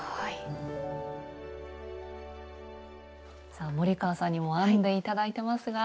さあ森川さんにも編んで頂いてますが。